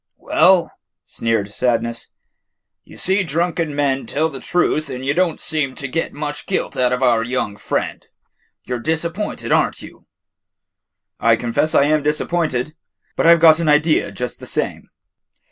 "Well," sneered Sadness, "you see drunken men tell the truth, and you don't seem to get much guilt out of our young friend. You 're disappointed, are n't you?" "I confess I am disappointed, but I 've got an idea, just the same."